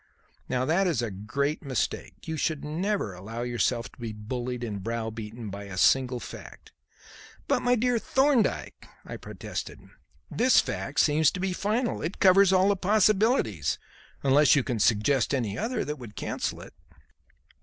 Now that is a great mistake. You should never allow yourself to be bullied and browbeaten by a single fact." "But, my dear Thorndyke!" I protested, "this fact seems to be final. It covers all possibilities unless you can suggest any other that would cancel it."